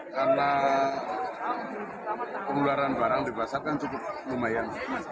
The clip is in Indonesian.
karena pengeluaran barang di pasar kan cukup lumayan